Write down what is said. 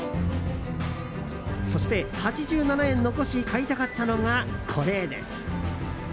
そして８７円残し買いたかったのが、これです。